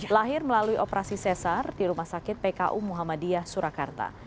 lahir melalui operasi sesar di rumah sakit pku muhammadiyah surakarta